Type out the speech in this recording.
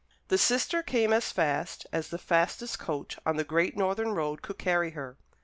The sister came as fast as the fastest coach on the great northern road could carry her.